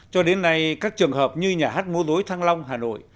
cho đến nay các trường hợp như nhà hát mô dối thăng long hà nội